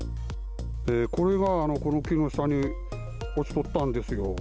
これがこの木の下に、落ちとったんですよ。